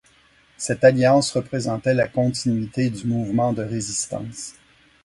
Cette alliance représentait la continuité du mouvement de résistance.